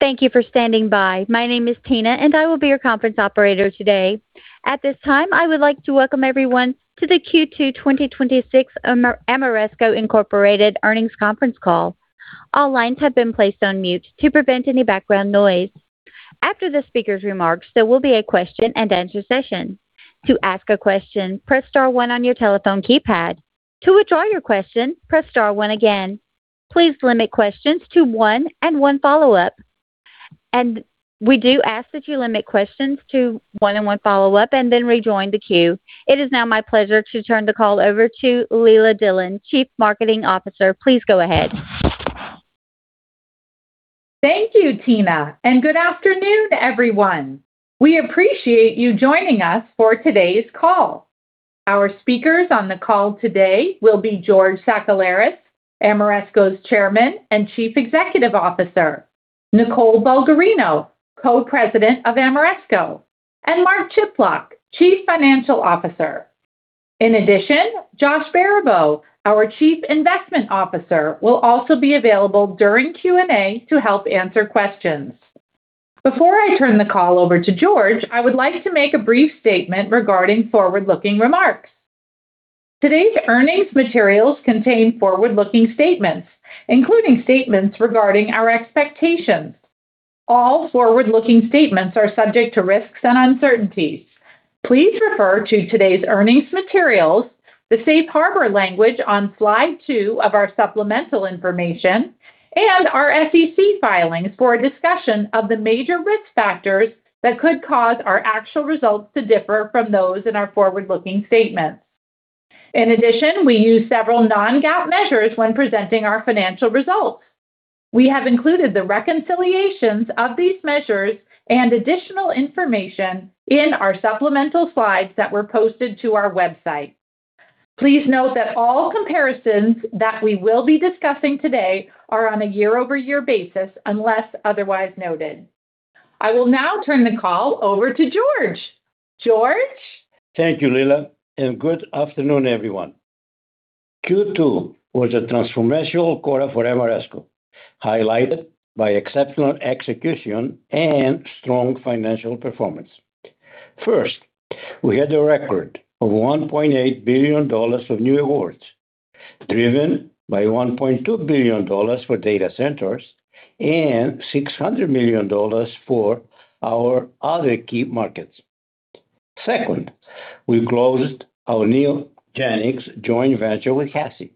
Thank you for standing by. My name is Tina, and I will be your conference operator today. At this time, I would like to welcome everyone to the Q2 2026 Ameresco, Inc. earnings conference call. All lines have been placed on mute to prevent any background noise. After the speaker's remarks, there will be a question-and-answer session. To ask a question, press star one on your telephone keypad. To withdraw your question, press star one again. Please limit questions to one and one follow-up. We do ask that you limit questions to one and one follow-up and then rejoin the queue. It is now my pleasure to turn the call over to Leila Dillon, Chief Marketing Officer. Please go ahead. Thank you, Tina, and good afternoon, everyone. We appreciate you joining us for today's call. Our speakers on the call today will be George Sakellaris, Ameresco's Chairman and Chief Executive Officer, Nicole Bulgarino, Co-President of Ameresco, and Mark Chiplock, Chief Financial Officer. In addition, Josh Baribeau, our Chief Investment Officer, will also be available during Q&A to help answer questions. Before I turn the call over to George, I would like to make a brief statement regarding forward-looking remarks. Today's earnings materials contain forward-looking statements, including statements regarding our expectations. All forward-looking statements are subject to risks and uncertainties. Please refer to today's earnings materials, the safe harbor language on slide two of our supplemental information, and our SEC filings for a discussion of the major risk factors that could cause our actual results to differ from those in our forward-looking statements. In addition, we use several non-GAAP measures when presenting our financial results. We have included the reconciliations of these measures and additional information in our supplemental slides that were posted to our website. Please note that all comparisons that we will be discussing today are on a year-over-year basis, unless otherwise noted. I will now turn the call over to George. George? Thank you, Leila, and good afternoon, everyone. Q2 was a transformational quarter for Ameresco, highlighted by exceptional execution and strong financial performance. First, we had a record of $1.8 billion of new awards, driven by $1.2 billion for data centers and $600 million for our other key markets. Second, we closed our Neogenyx joint venture with HASI,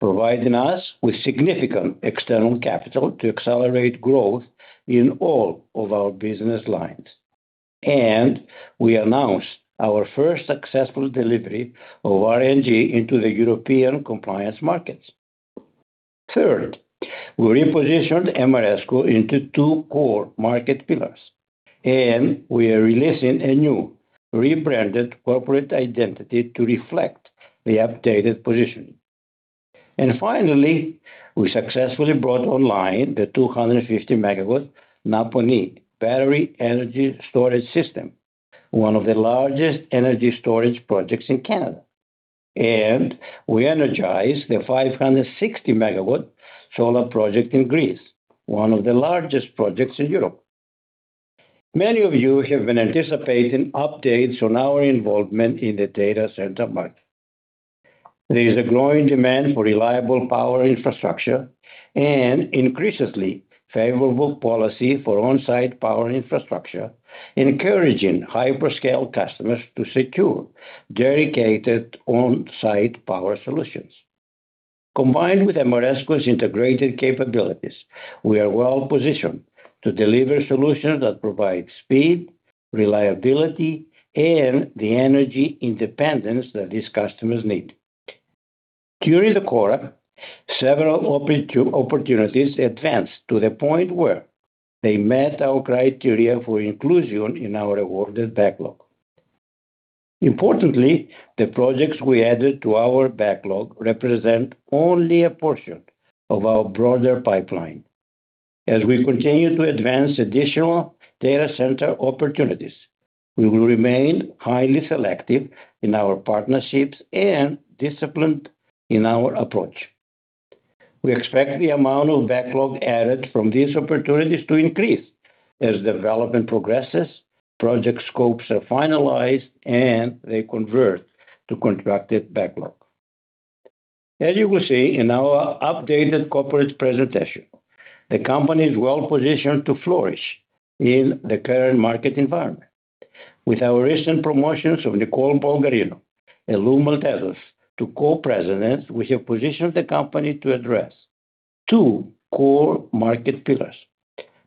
providing us with significant external capital to accelerate growth in all of our business lines. We announced our first successful delivery of RNG into the European compliance markets. Third, we repositioned Ameresco into two core market pillars, and we are releasing a new rebranded corporate identity to reflect the updated position. Finally, we successfully brought online the 250 MW Napanee battery energy storage system, one of the largest energy storage projects in Canada. We energized the 560 MW solar project in Greece, one of the largest projects in Europe. Many of you have been anticipating updates on our involvement in the data center market. There is a growing demand for reliable Power Infrastructure and increasingly favorable policy for on-site Power Infrastructure, encouraging hyperscale customers to secure dedicated on-site power solutions. Combined with Ameresco's integrated capabilities, we are well positioned to deliver solutions that provide speed, reliability, and the energy independence that these customers need. During the quarter, several opportunities advanced to the point where they met our criteria for inclusion in our awarded backlog. Importantly, the projects we added to our backlog represent only a portion of our broader pipeline. As we continue to advance additional data center opportunities, we will remain highly selective in our partnerships and disciplined in our approach. We expect the amount of backlog added from these opportunities to increase as development progresses, project scopes are finalized, and they convert to contracted backlog. As you will see in our updated corporate presentation, the company is well positioned to flourish in the current market environment. With our recent promotions of Nicole Bulgarino and Lou Maltezos to Co-Presidents, we have positioned the company to address two core market pillars: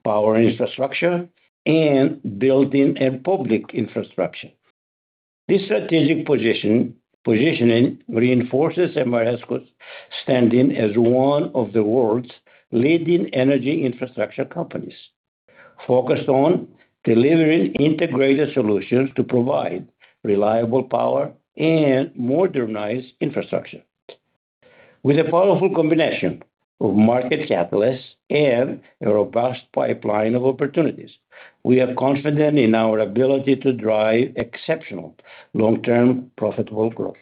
Power Infrastructure and Buildings & Public Infrastructure. This strategic positioning reinforces Ameresco's standing as one of the world's leading energy infrastructure companies, focused on delivering integrated solutions to provide reliable power and modernized infrastructure. With a powerful combination of market catalysts and a robust pipeline of opportunities, we are confident in our ability to drive exceptional long-term profitable growth.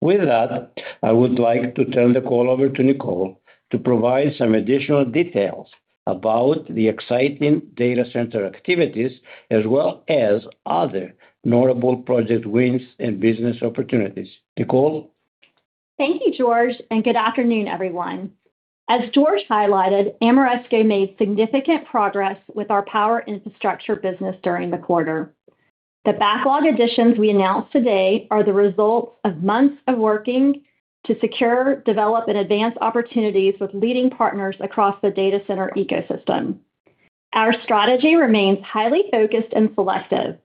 With that, I would like to turn the call over to Nicole to provide some additional details about the exciting data center activities, as well as other notable project wins and business opportunities. Nicole? Thank you, George, and good afternoon, everyone. As George highlighted, Ameresco made significant progress with our Power Infrastructure business during the quarter. The backlog additions we announced today are the results of months of working to secure, develop, and advance opportunities with leading partners across the data center ecosystem. Our strategy remains highly focused and selective,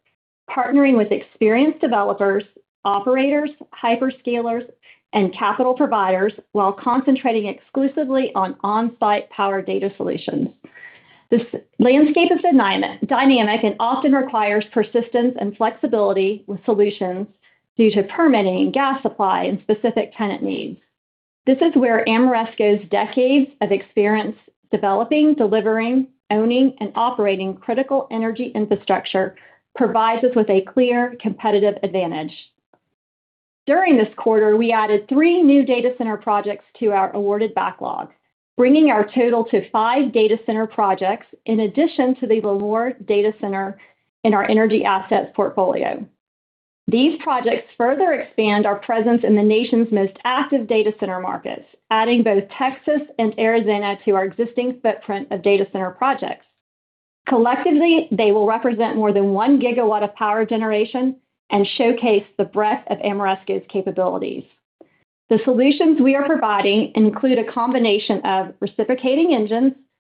partnering with experienced developers, operators, hyperscalers, and capital providers while concentrating exclusively on on-site power data solutions. This landscape is dynamic and often requires persistence and flexibility with solutions due to permitting, gas supply, and specific tenant needs. This is where Ameresco's decades of experience developing, delivering, owning, and operating critical energy infrastructure provides us with a clear competitive advantage. During this quarter, we added three new data center projects to our awarded backlog, bringing our total to five data center projects in addition to the Lemoore Data Center in our energy assets portfolio. These projects further expand our presence in the nation's most active data center markets, adding both Texas and Arizona to our existing footprint of data center projects. Collectively, they will represent more than one gigawatt of power generation and showcase the breadth of Ameresco's capabilities. The solutions we are providing include a combination of reciprocating engines,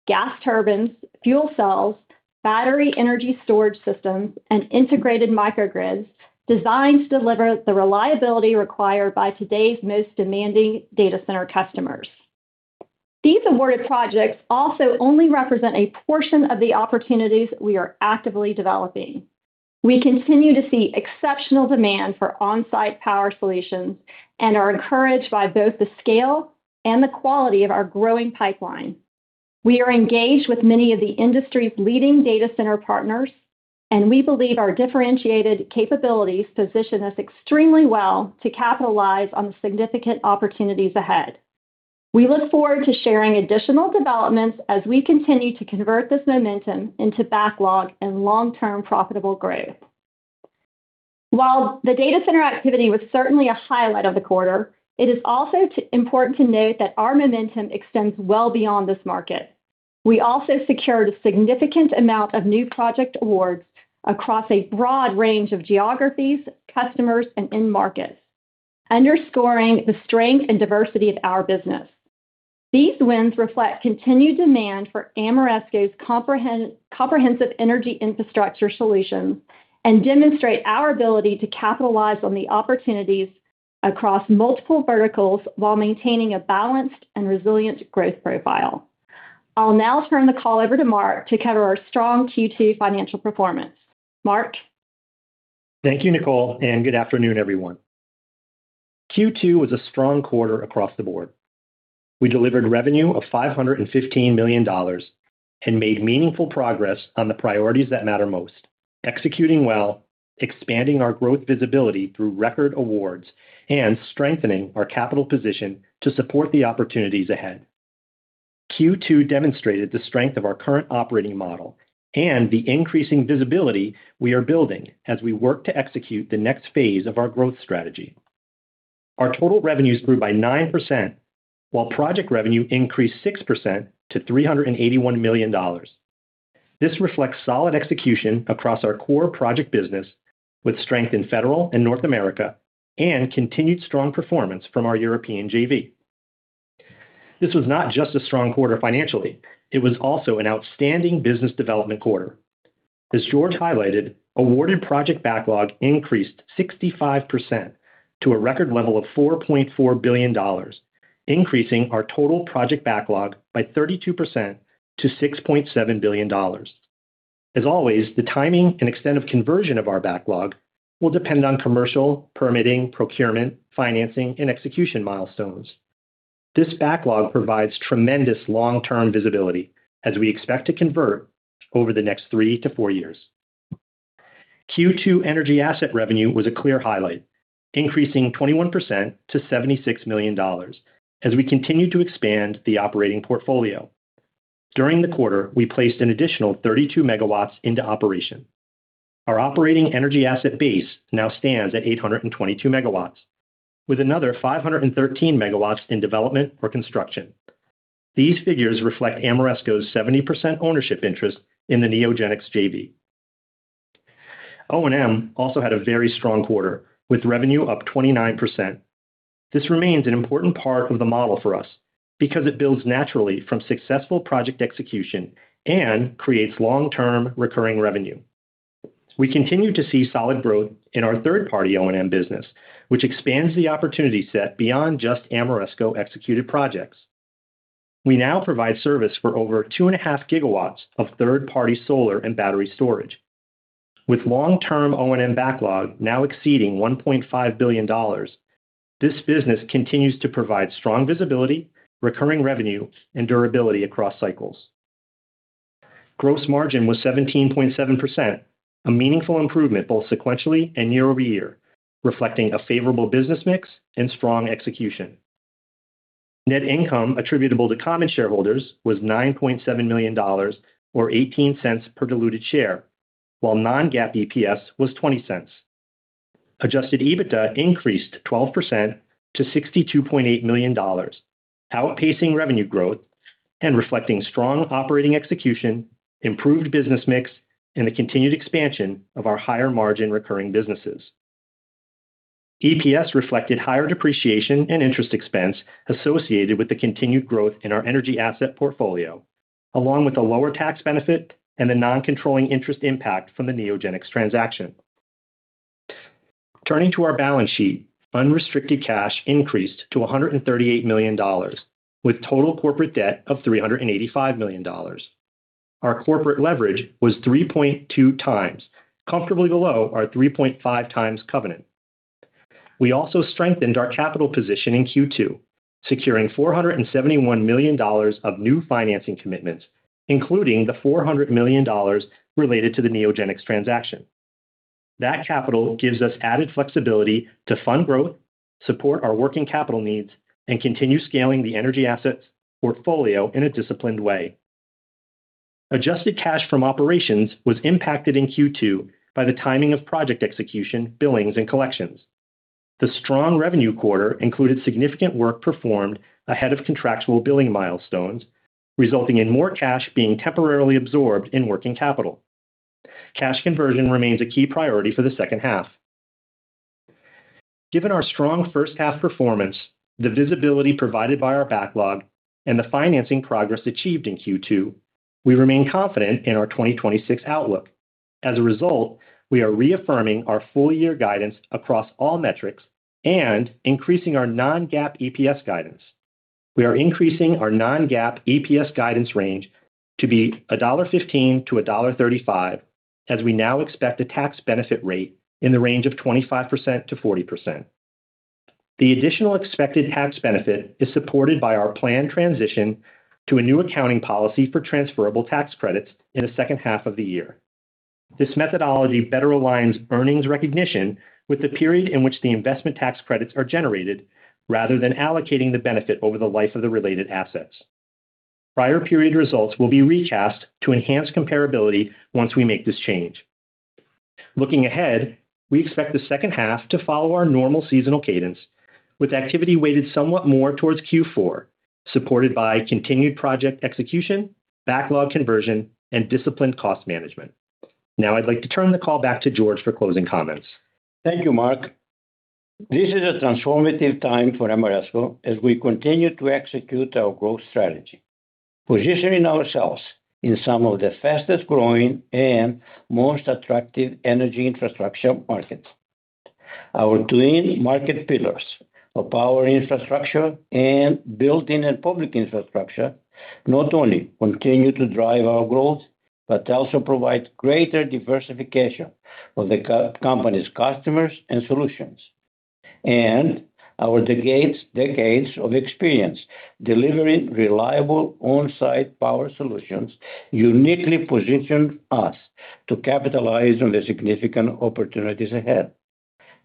gas turbines, fuel cells, battery energy storage systems, and integrated microgrids, designed to deliver the reliability required by today's most demanding data center customers. These awarded projects also only represent a portion of the opportunities we are actively developing. We continue to see exceptional demand for on-site power solutions and are encouraged by both the scale and the quality of our growing pipeline. We are engaged with many of the industry's leading data center partners, and we believe our differentiated capabilities position us extremely well to capitalize on the significant opportunities ahead. We look forward to sharing additional developments as we continue to convert this momentum into backlog and long-term profitable growth. While the data center activity was certainly a highlight of the quarter, it is also important to note that our momentum extends well beyond this market. We also secured a significant amount of new project awards across a broad range of geographies, customers, and end markets, underscoring the strength and diversity of our business. These wins reflect continued demand for Ameresco's comprehensive energy infrastructure solutions and demonstrate our ability to capitalize on the opportunities across multiple verticals while maintaining a balanced and resilient growth profile. I'll now turn the call over to Mark to cover our strong Q2 financial performance. Mark? Thank you, Nicole, and good afternoon, everyone. Q2 was a strong quarter across the board. We delivered revenue of $515 million and made meaningful progress on the priorities that matter most: executing well, expanding our growth visibility through record awards, and strengthening our capital position to support the opportunities ahead. Q2 demonstrated the strength of our current operating model and the increasing visibility we are building as we work to execute the next phase of our growth strategy. Our total revenues grew by 9%, while project revenue increased 6% to $381 million. This reflects solid execution across our core project business, with strength in federal and North America, and continued strong performance from our European JV. This was not just a strong quarter financially, it was also an outstanding business development quarter. As George highlighted, awarded project backlog increased 65% to a record level of $4.4 billion, increasing our total project backlog by 32% to $6.7 billion. As always, the timing and extent of conversion of our backlog will depend on commercial, permitting, procurement, financing, and execution milestones. This backlog provides tremendous long-term visibility as we expect to convert over the next three to four years. Q2 energy asset revenue was a clear highlight, increasing 21% to $76 million as we continue to expand the operating portfolio. During the quarter, we placed an additional 32 MW into operation. Our operating energy asset base now stands at 822 MW, with another 513 MW in development for construction. These figures reflect Ameresco's 70% ownership interest in the Neogenyx JV. O&M also had a very strong quarter, with revenue up 29%. This remains an important part of the model for us because it builds naturally from successful project execution and creates long-term recurring revenue. We continue to see solid growth in our third-party O&M business, which expands the opportunity set beyond just Ameresco-executed projects. We now provide service for over 2.5 GW Of third-party solar and battery storage. With long-term O&M backlog now exceeding $1.5 billion, this business continues to provide strong visibility, recurring revenue, and durability across cycles. Gross margin was 17.7%, a meaningful improvement both sequentially and year-over-year, reflecting a favorable business mix and strong execution. Net income attributable to common shareholders was $9.7 million, or $0.18 per diluted share, while non-GAAP EPS was $0.20. Adjusted EBITDA increased 12% to $62.8 million, outpacing revenue growth and reflecting strong operating execution, improved business mix, and the continued expansion of our higher-margin recurring businesses. EPS reflected higher depreciation and interest expense associated with the continued growth in our energy asset portfolio, along with a lower tax benefit and the non-controlling interest impact from the Neogenyx transaction. Turning to our balance sheet, unrestricted cash increased to $138 million, with total corporate debt of $385 million. Our corporate leverage was 3.2x, comfortably below our 3.5x covenant. We also strengthened our capital position in Q2, securing $471 million of new financing commitments, including the $400 million related to the Neogenyx transaction. That capital gives us added flexibility to fund growth, support our working capital needs, and continue scaling the energy assets portfolio in a disciplined way. Adjusted cash from operations was impacted in Q2 by the timing of project execution, billings, and collections. The strong revenue quarter included significant work performed ahead of contractual billing milestones, resulting in more cash being temporarily absorbed in working capital. Cash conversion remains a key priority for the second half. Given our strong first half performance, the visibility provided by our backlog, and the financing progress achieved in Q2, we remain confident in our 2026 outlook. As a result, we are reaffirming our full year guidance across all metrics and increasing our non-GAAP EPS guidance. We are increasing our non-GAAP EPS guidance range to be $1.15-$1.35, as we now expect a tax benefit rate in the range of 25%-40%. The additional expected tax benefit is supported by our planned transition to a new accounting policy for transferable tax credits in the second half of the year. This methodology better aligns earnings recognition with the period in which the investment tax credits are generated rather than allocating the benefit over the life of the related assets. Prior period results will be recast to enhance comparability once we make this change. Looking ahead, we expect the second half to follow our normal seasonal cadence, with activity weighted somewhat more towards Q4, supported by continued project execution, backlog conversion, and disciplined cost management. Now I'd like to turn the call back to George for closing comments. Thank you, Mark. This is a transformative time for Ameresco as we continue to execute our growth strategy, positioning ourselves in some of the fastest growing and most attractive energy infrastructure markets. Our twin market pillars of Power Infrastructure and Buildings & Public Infrastructure not only continue to drive our growth, but also provide greater diversification of the company's customers and solutions. Our decades of experience delivering reliable on-site power solutions uniquely position us to capitalize on the significant opportunities ahead.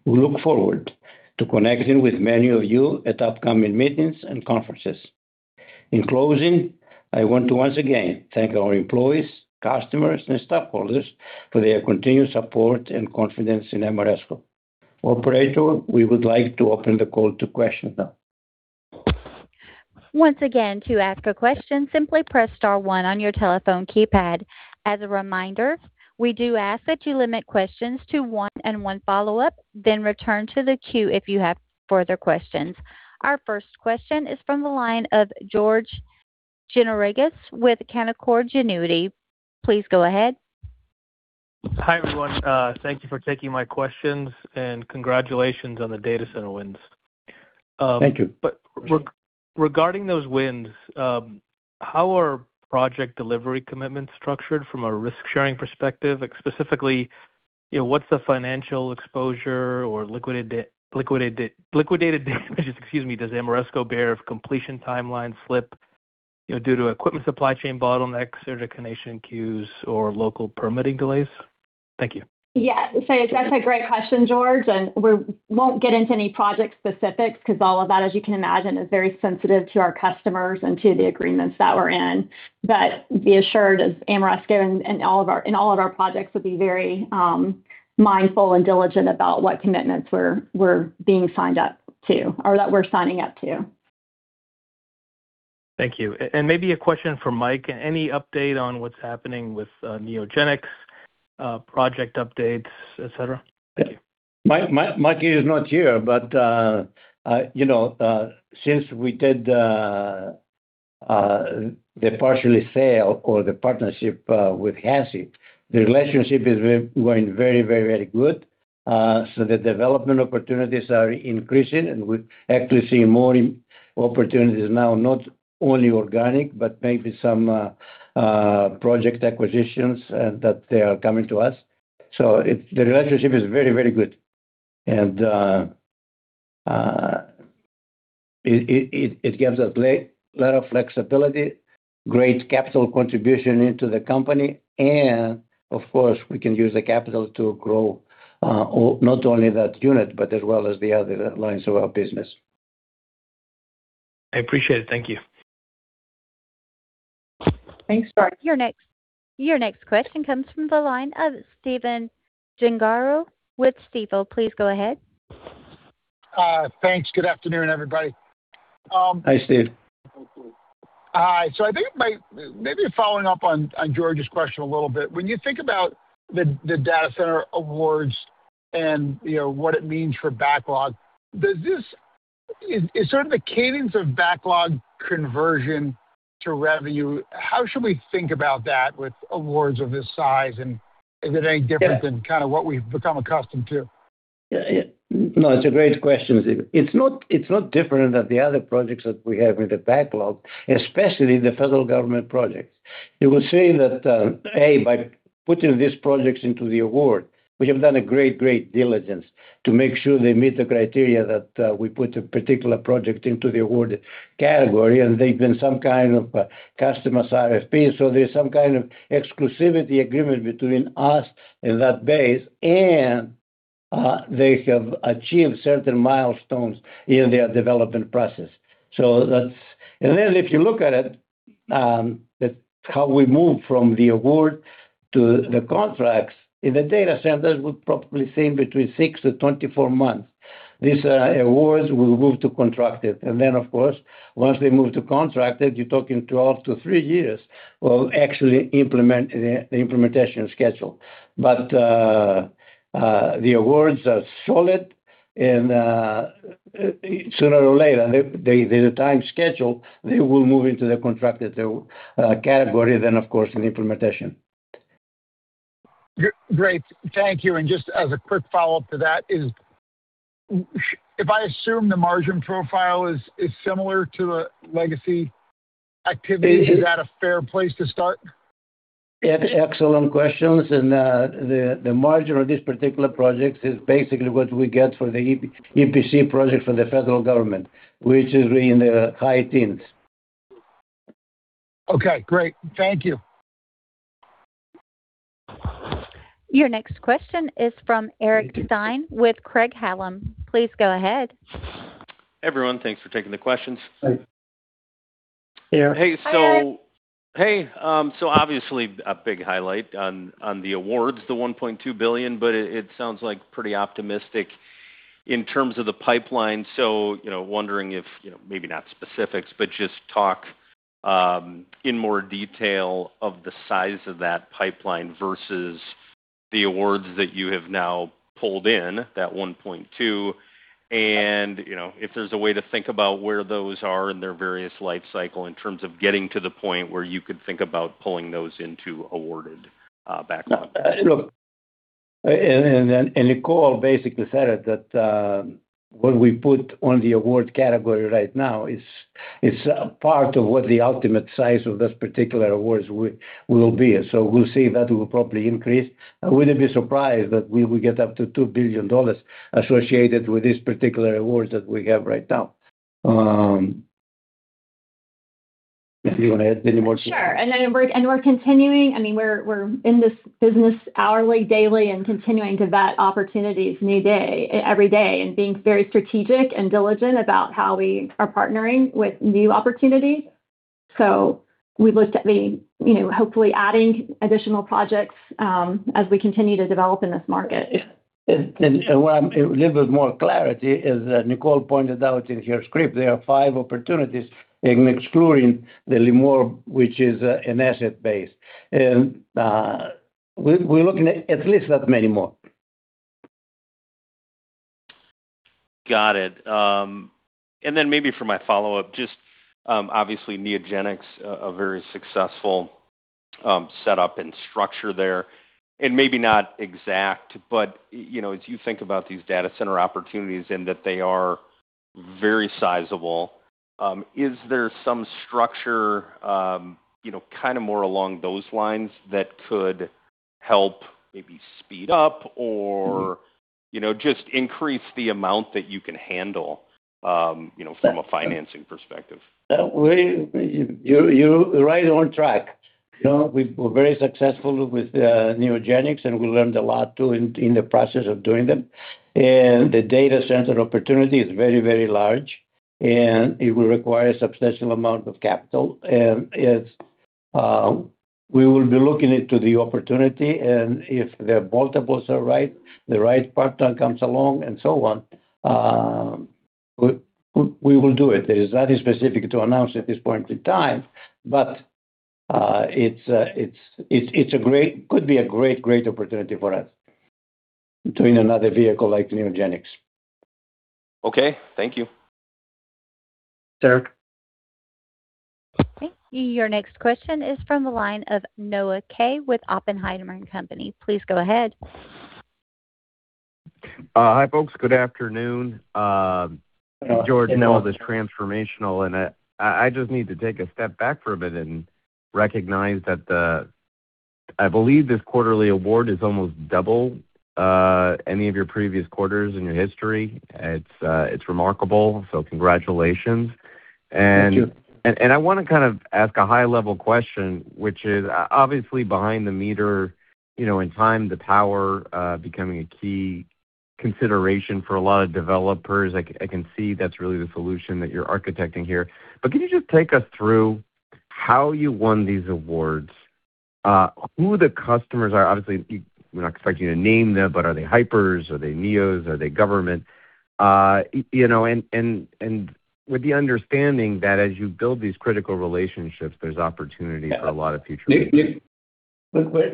We look forward to connecting with many of you at upcoming meetings and conferences. In closing, I want to once again thank our employees, customers, and stakeholders for their continued support and confidence in Ameresco. Operator, we would like to open the call to questions now. Once again, to ask a question, simply press star one on your telephone keypad. As a reminder, we do ask that you limit questions to one and one follow-up, then return to the queue if you have further questions. Our first question is from the line of George Gianarikas with Canaccord Genuity. Please go ahead. Hi, everyone. Thank you for taking my questions, and congratulations on the data center wins. Thank you. Regarding those wins, how are project delivery commitments structured from a risk-sharing perspective? Specifically, what's the financial exposure or liquidated damages, excuse me, does Ameresco bear if completion timelines slip due to equipment supply chain bottlenecks or to connection queues or local permitting delays? Thank you. Yeah. That's a great question, George. We won't get into any project specifics because all of that, as you can imagine, is very sensitive to our customers and to the agreements that we're in. Be assured, as Ameresco, in all of our projects, we'll be very mindful and diligent about what commitments we're being signed up to or that we're signing up to. Thank you. Maybe a question for Mark. Any update on what's happening with Neogenyx, project updates, et cetera? Thank you. Mark is not here. Since we did the partially sale or the partnership with HASI, the relationship is going very good. The development opportunities are increasing, and we're actually seeing more opportunities now, not only organic, but maybe some project acquisitions that they are coming to us. The relationship is very good. It gives us a lot of flexibility, great capital contribution into the company, and of course, we can use the capital to grow not only that unit, but as well as the other lines of our business. I appreciate it. Thank you. Thanks, Mark. Your next question comes from the line of Stephen Gengaro with Stifel. Please go ahead. Thanks. Good afternoon, everybody. Hi, Steve. Hi. I think maybe following up on George's question a little bit. When you think about the data center awards and what it means for backlog, is sort of the cadence of backlog conversion to revenue, how should we think about that with awards of this size? Is it any different than kind of what we've become accustomed to? Yeah. No, it's a great question, Steve. It's not different than the other projects that we have in the backlog, especially the federal government projects. You will see that, A, by putting these projects into the award, we have done a great diligence to make sure they meet the criteria that we put a particular project into the award category, and they've been some kind of customer RFP. There's some kind of exclusivity agreement between us and that base, and they have achieved certain milestones in their development process. If you look at it, how we move from the award to the contracts, in the data centers, we're probably seeing between 6-24 months. These awards will move to contracted. Then, of course, once they move to contracted, you're talking two up to three years will actually implement the implementation schedule. The awards are solid and sooner or later, the time schedule, they will move into the contracted category, then, of course, in implementation. Great. Thank you. Just as a quick follow-up to that is, if I assume the margin profile is similar to a legacy activity Is that a fair place to start? Excellent questions. The margin of this particular project is basically what we get for the EPC project for the federal government, which is in the high teens. Okay, great. Thank you. Your next question is from Eric Stine with Craig-Hallum. Please go ahead. Everyone, thanks for taking the questions. Thanks. Yeah. Hey, Eric. Hey. Obviously, a big highlight on the awards, the $1.2 billion, but it sounds pretty optimistic in terms of the pipeline. Wondering if, maybe not specifics, but just talk in more detail of the size of that pipeline versus the awards that you have now pulled in, that $1.2 billion. If there's a way to think about where those are in their various life cycle in terms of getting to the point where you could think about pulling those into awarded backlog. Look, Nicole basically said it, that what we put on the award category right now is part of what the ultimate size of those particular awards will be. We'll see that will probably increase. I wouldn't be surprised that we will get up to $2 billion associated with these particular awards that we have right now. Do you want to add any more? Sure. We're continuing, we're in this business hourly, daily, and continuing to vet opportunities every day, and being very strategic and diligent about how we are partnering with new opportunities. We looked at hopefully adding additional projects as we continue to develop in this market. A little bit more clarity is that Nicole pointed out in her script, there are five opportunities, excluding the Lemoore, which is an asset base. We're looking at least that many more. Got it. Then maybe for my follow-up, just obviously Neogenyx, a very successful setup and structure there. Maybe not exact, but as you think about these data center opportunities and that they are very sizable, is there some structure kind of more along those lines that could help maybe speed up or just increase the amount that you can handle from a financing perspective? You're right on track. We're very successful with Neogenyx, and we learned a lot, too, in the process of doing them. The data center opportunity is very large, and it will require a substantial amount of capital. We will be looking into the opportunity, and if the multiples are right, the right partner comes along, and so on, we will do it. There's nothing specific to announce at this point in time, but it could be a great opportunity for us doing another vehicle like Neogenyx. Okay. Thank you. Thanks Eric. Thank you. Your next question is from the line of Noah Kaye with Oppenheimer & Co.. Please go ahead. Hi, folks. Good afternoon. Hi, Noah. George, know all this transformational, I just need to take a step back for a bit and recognize that the I believe this quarterly award is almost double any of your previous quarters in your history. It's remarkable, congratulations. Thank you. I want to ask a high-level question, which is obviously behind the meter, in time the power becoming a key consideration for a lot of developers. I can see that's really the solution that you're architecting here. Can you just take us through how you won these awards? Who the customers are? Obviously, we're not expecting you to name them, but are they hypers? Are they neos? Are they government? With the understanding that as you build these critical relationships, there's opportunity for a lot of future business.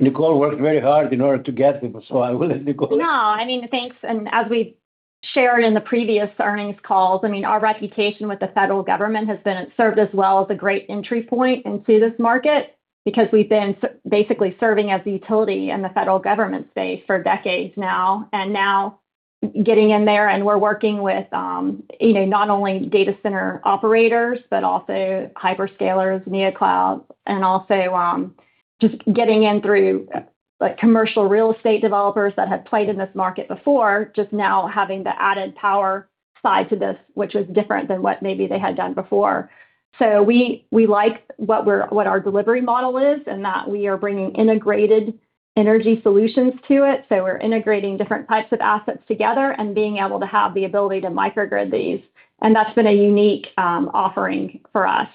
Nicole worked very hard in order to get them. I will let Nicole. No, thanks. As we've shared in the previous earnings calls, our reputation with the federal government has served us well as a great entry point into this market, because we've been basically serving as the utility in the federal government space for decades now. Now getting in there and we're working with not only data center operators, but also hyperscalers, neo clouds, and also just getting in through commercial real estate developers that have played in this market before, just now having the added power side to this, which is different than what maybe they had done before. We like what our delivery model is, and that we are bringing integrated energy solutions to it. We're integrating different types of assets together and being able to have the ability to microgrid these. That's been a unique offering for us.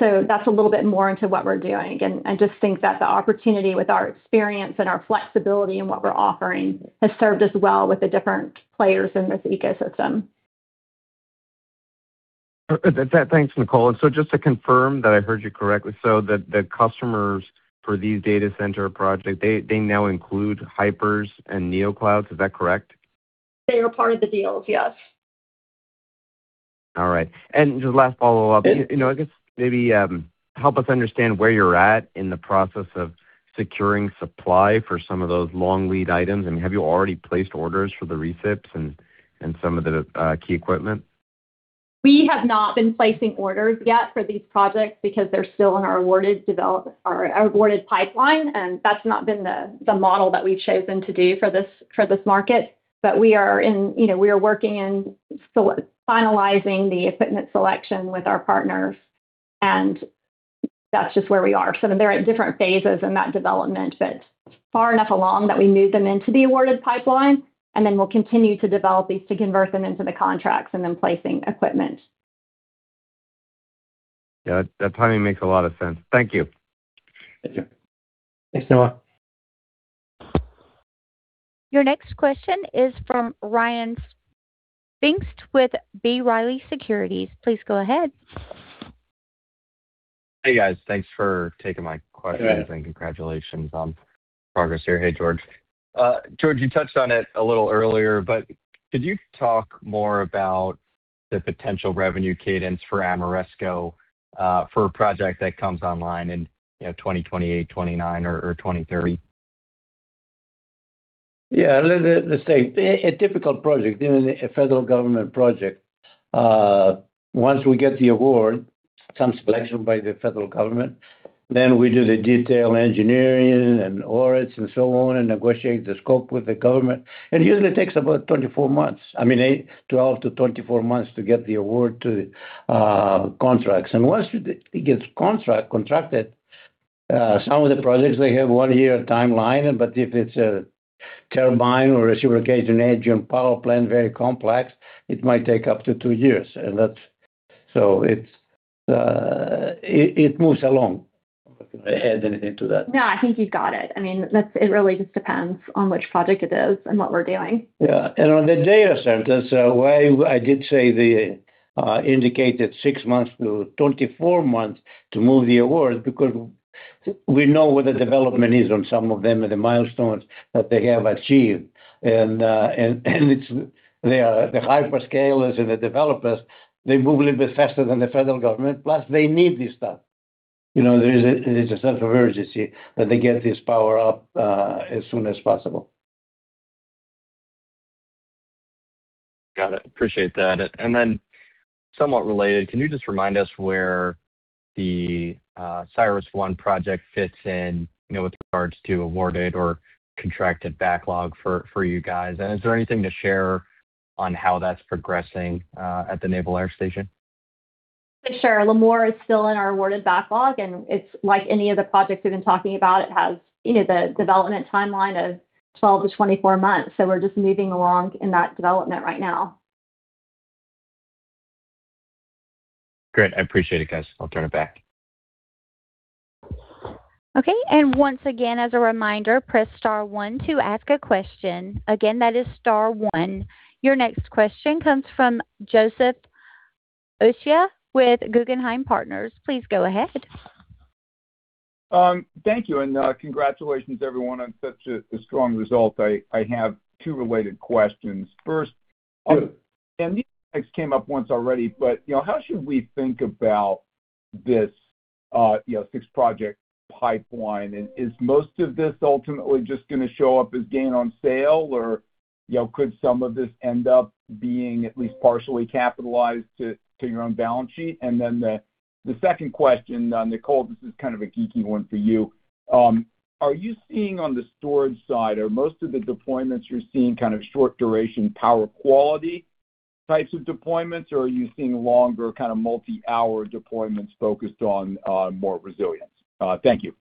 That's a little bit more into what we're doing, and just think that the opportunity with our experience and our flexibility in what we're offering has served us well with the different players in this ecosystem. Thanks, Nicole. Just to confirm that I heard you correctly, so the customers for these data center projects, they now include hypers and neo clouds. Is that correct? They are part of the deals, yes. All right. Just last follow-up, I guess maybe help us understand where you're at in the process of securing supply for some of those long lead items. Have you already placed orders for the recips and some of the key equipment? We have not been placing orders yet for these projects because they're still in our awarded pipeline, that's not been the model that we've chosen to do for this market. We are working in finalizing the equipment selection with our partners, that's just where we are. They're at different phases in that development, but far enough along that we move them into the awarded pipeline, then we'll continue to develop these to convert them into the contracts and then placing equipment. Yeah, that timing makes a lot of sense. Thank you. Thanks, Noah. Your next question is from Ryan Pfingst with B. Riley Securities. Please go ahead. Hey, guys. Thanks for taking my questions. Go ahead. Congratulations on progress here. Hey, George. George, you touched on it a little earlier, but could you talk more about the potential revenue cadence for Ameresco for a project that comes online in 2028, 2029, or 2030? Yeah. Let's say a difficult project, a federal government project. Once we get the award, some selection by the federal government, we do the detail engineering and audits and so on, negotiate the scope with the government. Usually it takes about 24 months. I mean, 12-24 months to get the award to contracts. Once it gets contracted, some of the projects, they have one-year timeline, but if it's a turbine or a reciprocation engine power plant, very complex, it might take up to two years. So it moves along. Can I add anything to that? No, I think you've got it. It really just depends on which project it is and what we're doing. Yeah. On the data centers, why I did say they indicated 6 months-24 months to move the award because we know where the development is on some of them and the milestones that they have achieved. The hyperscalers and the developers, they move a little bit faster than the federal government. Plus, they need this stuff. There is a sense of urgency that they get this power up as soon as possible. Got it. Appreciate that. Then somewhat related, can you just remind us where the CyrusOne project fits in with regards to awarded or contracted backlog for you guys? Is there anything to share on how that's progressing at the Naval Air Station? For sure. Lemoore is still in our awarded backlog, and it's like any of the projects we've been talking about. It has the development timeline of 12-24 months. We're just moving along in that development right now. Great. I appreciate it, guys. I'll turn it back. Okay. Once again, as a reminder, press star one to ask a question. Again, that is star one. Your next question comes from Joseph Osha with Guggenheim Partners. Please go ahead. Thank you, and congratulations, everyone, on such a strong result. I have two related questions. First. Sure. This came up once already, but how should we think about this six-project pipeline? Is most of this ultimately just going to show up as gain on sale? Could some of this end up being at least partially capitalized to your own balance sheet? The second question, Nicole, this is kind of a geeky one for you. Are you seeing on the storage side, are most of the deployments you're seeing short duration power quality types of deployments, or are you seeing longer multi-hour deployments focused on more resilience? Thank you.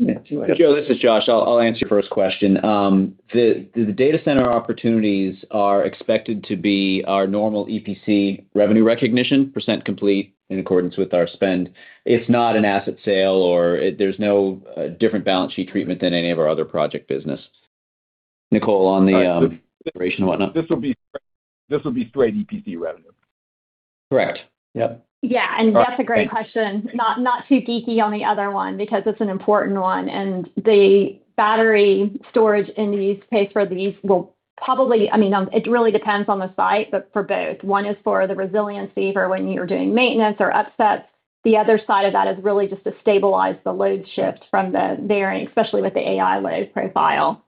Joe, this is Josh. I'll answer your first question. The data center opportunities are expected to be our normal EPC revenue recognition, percent complete in accordance with our spend. It's not an asset sale or there's no different balance sheet treatment than any of our other project business. Nicole, on the duration and whatnot. This will be straight EPC revenue. Correct. Yep. Yeah. That's a great question. Not too geeky on the other one, because it's an important one. The battery storage in these pays for these will probably. It really depends on the site, but for both. One is for the resiliency for when you're doing maintenance or upsets. The other side of that is really just to stabilize the load shift from the varying, especially with the AI load profile.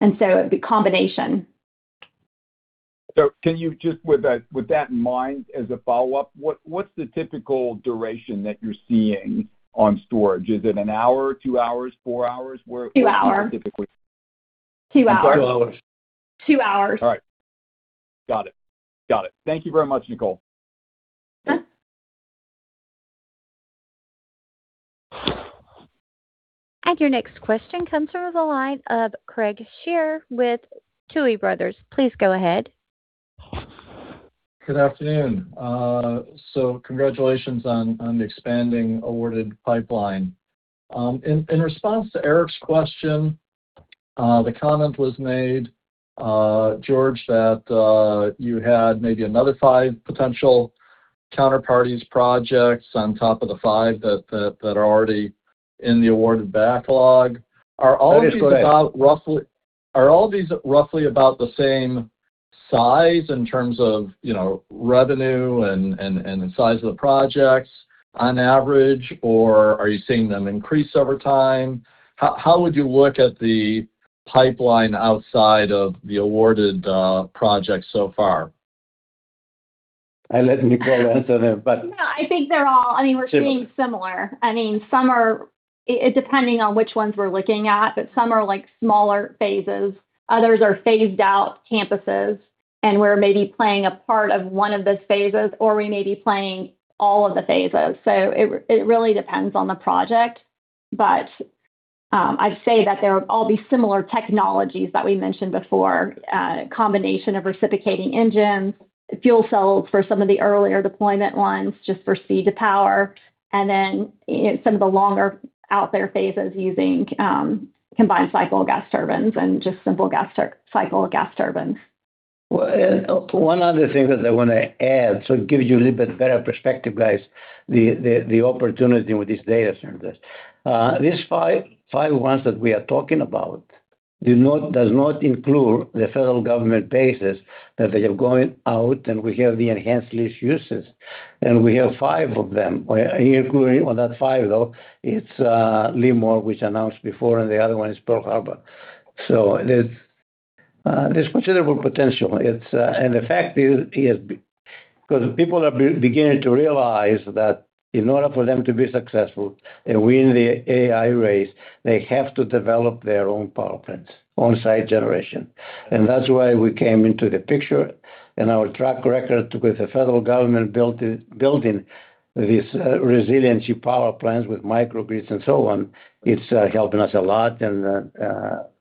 It would be combination. Can you just, with that in mind, as a follow-up, what's the typical duration that you're seeing on storage? Is it an hour, two hours, four hours? Where- Two hours. Two hours. Two hours. All right. Got it. Thank you very much, Nicole. Yeah. Your next question comes from the line of Craig Shere with Tuohy Brothers. Please go ahead. Good afternoon. Congratulations on the expanding awarded pipeline. In response to Eric's question, the comment was made, George, that you had maybe another five potential counterparties projects on top of the five that are already in the awarded backlog. Are all of these roughly about the same size in terms of revenue and the size of the projects on average, or are you seeing them increase over time? How would you look at the pipeline outside of the awarded projects so far? I'll let Nicole answer that. We're seeing similar. Some are, depending on which ones we're looking at, but some are smaller phases. Others are phased out campuses, and we're maybe playing a part of one of those phases, or we may be playing all of the phases. It really depends on the project. I'd say that they'll all be similar technologies that we mentioned before. A combination of reciprocating engines, fuel cells for some of the earlier deployment ones, just for C to power, and then some of the longer out there phases using combined cycle gas turbines and just simple cycle gas turbines. One other thing that I want to add, it gives you a little bit better perspective, guys, the opportunity with these data centers. These five ones that we are talking about does not include the federal government bases that they are going out, and we have the enhanced lease uses, and we have five of them, including-- Well, not five, though. It's Lemoore, which announced before, and the other one is Pearl Harbor. There's considerable potential. The fact is because people are beginning to realize that in order for them to be successful and win the AI race, they have to develop their own power plants, on-site generation. That's why we came into the picture, and our track record with the federal government building these resiliency power plants with microgrids and so on, it's helping us a lot and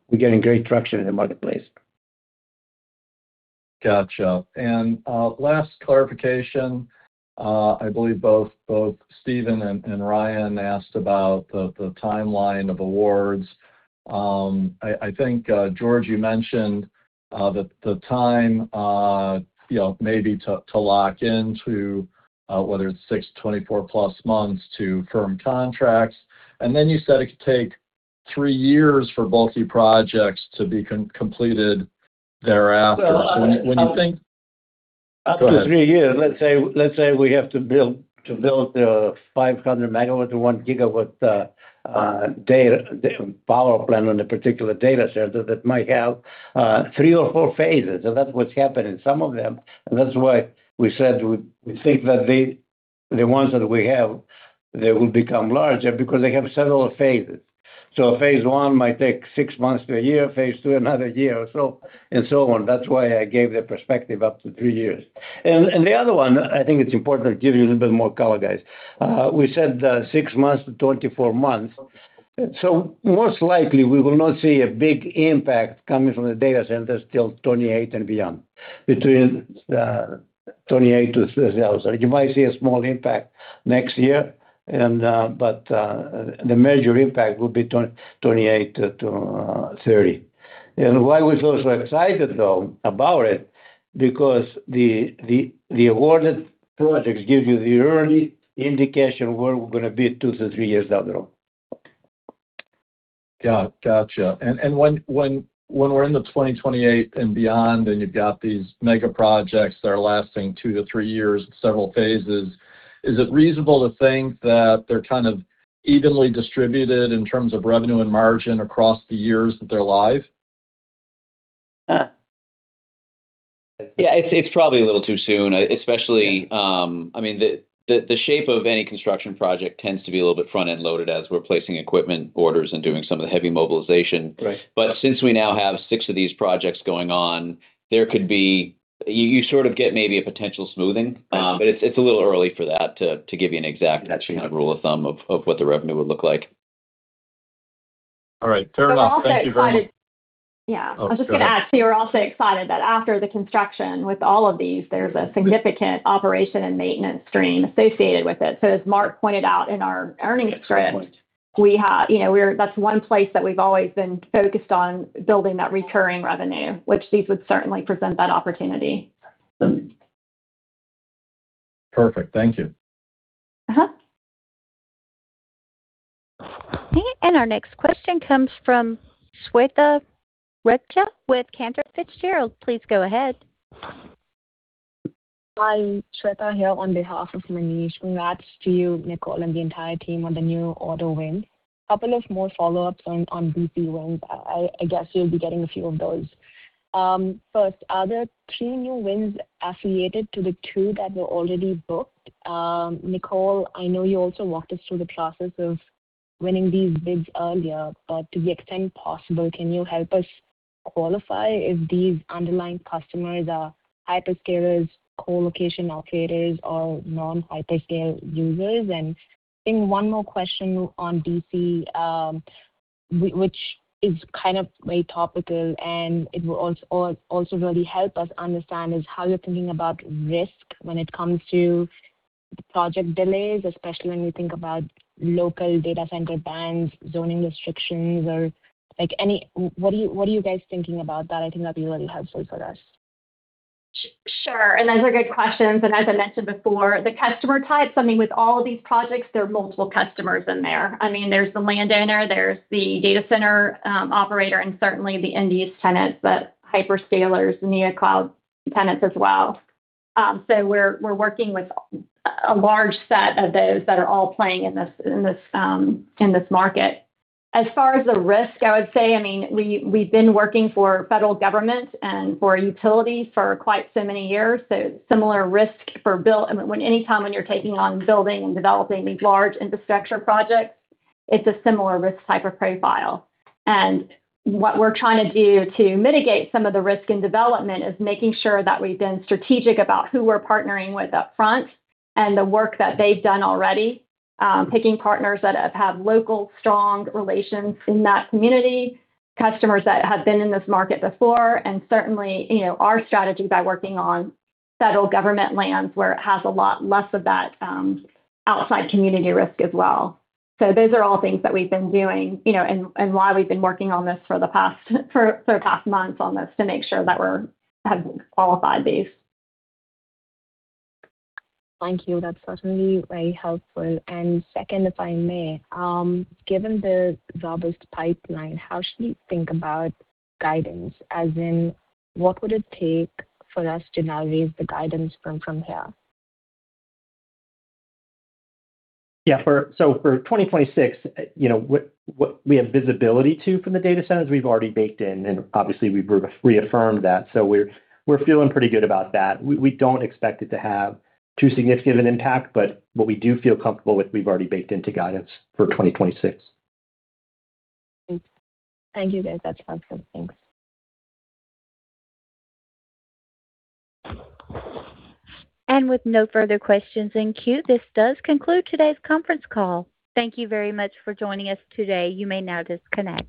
we're getting great traction in the marketplace. Got you. Last clarification, I believe both Stephen and Ryan asked about the timeline of awards. I think, George, you mentioned, the time maybe to lock into, whether it's 6-24+ months to firm contracts. Then you said it could take three years for bulky projects to be completed thereafter. When you think? Up to three years. Let's say we have to build a 500 MW or 1 GW data power plant on a particular data center that might have three or four phases. That's what's happened in some of them. That's why we said we think that the ones that we have, they will become larger because they have several phases. Phase 1 might take 6 months to one year, phase 2, another year or so, and so on. That's why I gave the perspective up to three years. The other one, I think it's important to give you a little bit more color, guys. We said 6 months-24 months. Most likely, we will not see a big impact coming from the data centers till 2028 and beyond. Between 2028-2030. You might see a small impact next year, the major impact will be 2028 -2030. Why we're so excited, though, about it, because the awarded projects give you the early indication of where we're going to be two to three years down the road. Got you. When we're in the 2028 and beyond, you've got these mega projects that are lasting two to three years in several phases, is it reasonable to think that they're evenly distributed in terms of revenue and margin across the years that they're live? Yeah. It's probably a little too soon. Yeah. The shape of any construction project tends to be a little bit front-end loaded as we're placing equipment orders and doing some of the heavy mobilization. Right. Since we now have six of these projects going on, you sort of get maybe a potential smoothing. It's a little early for that to give you an. Got you. Rule of thumb of what the revenue would look like. All right. Fair enough. Thank you very much. Yeah. Oh, go ahead. I was just going to add too, we're also excited that after the construction, with all of these, there's a significant operation and maintenance stream associated with it. As Mark pointed out in our earnings script. Excellent point. That's one place that we've always been focused on building that recurring revenue, which these would certainly present that opportunity. Perfect. Thank you. Our next question comes from Shweta Rakhecha with Cantor Fitzgerald. Please go ahead. Hi, Shweta here on behalf of Manish. Congrats to you, Nicole, and the entire team on the new order win. Couple of more follow-ups on DC wins. I guess you'll be getting a few of those. First, are the three new wins affiliated to the two that were already booked? Nicole, I know you also walked us through the process of winning these bids earlier, but to the extent possible, can you help us qualify if these underlying customers are hyperscalers, co-location operators, or non-hyperscale users? I think one more question on DC, which is kind of very topical, and it will also really help us understand, is how you're thinking about risk when it comes to project delays, especially when you think about local data center bans, zoning restrictions. What are you guys thinking about that? I think that'd be really helpful for us. Sure. Those are good questions. As I mentioned before, the customer types, I mean, with all of these projects, there are multiple customers in there. There's the landowner, there's the data center operator, and certainly the end use tenants, the hyperscalers, Neo cloud tenants as well. We're working with a large set of those that are all playing in this market. As far as the risk, I would say, we've been working for federal governments and for utilities for quite so many years, so similar risk for build. Anytime when you're taking on building and developing these large infrastructure projects, it's a similar risk type of profile. What we're trying to do to mitigate some of the risk in development is making sure that we've been strategic about who we're partnering with up front and the work that they've done already. Picking partners that have had local strong relations in that community, customers that have been in this market before, and certainly, our strategy by working on federal government lands where it has a lot less of that outside community risk as well. Those are all things that we've been doing, and why we've been working on this for the past months on this to make sure that we have qualified these. Thank you. That's certainly very helpful. Second, if I may. Given the robust pipeline, how should we think about guidance? As in, what would it take for us to now raise the guidance from here? Yeah. For 2026, what we have visibility to from the data centers, we've already baked in, and obviously we've reaffirmed that. We're feeling pretty good about that. We don't expect it to have too significant an impact, but what we do feel comfortable with, we've already baked into guidance for 2026. Thank you, guys. That's helpful. Thanks. With no further questions in queue, this does conclude today's conference call. Thank you very much for joining us today. You may now disconnect.